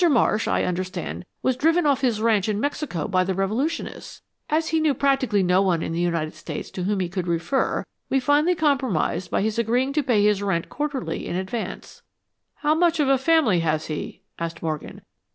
Marsh, I understand, was driven off his ranch in Mexico by the revolutionists. As he knew practically no one in the United States to whom he could refer, we finally compromised by his agreeing to pay his rent quarterly in advance." "How much of a family has he?" asked Morgan.